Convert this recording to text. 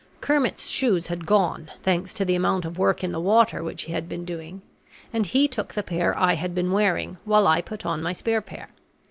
Kermit's shoes had gone, thanks to the amount of work in the water which he had been doing; and he took the pair I had been wearing, while I put on my spare pair.